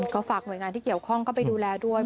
ก็ฝากหน่วยงานที่เกี่ยวข้องเข้าไปดูแลด้วย